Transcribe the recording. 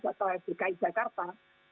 atau fdki jakarta